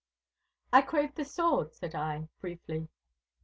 'I crave a sword,' said I, briefly.